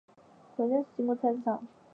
回家时经过菜市场